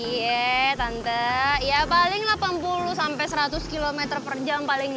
iya tante ya paling delapan puluh sampai seratus km per jam